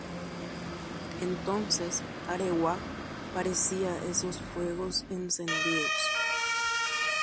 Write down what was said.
Upérõ Aregua ojogua umi tatakua hendy porãvape.